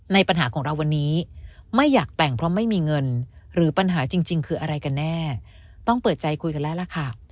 ปัญหาของเราวันนี้ไม่อยากแต่งเพราะไม่มีเงินหรือปัญหาจริงคืออะไรกันแน่ต้องเปิดใจคุยกันแล้วล่ะค่ะ